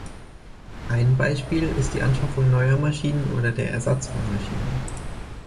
Ein Beispiel ist die Anschaffung neuer Maschinen oder der Ersatz von Maschinen.